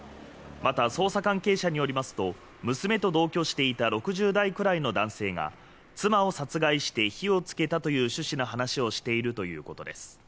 また捜査関係者によりますと娘と同居していた６０代くらいの男性が妻を殺害して火をつけたという趣旨の話をしているということです